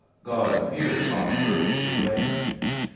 God appears on earth to reign.